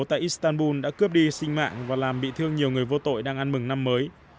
tại istanbul đã cướp đi sinh mạng và làm bị thương nhiều người vô tội đang ăn mừng năm mới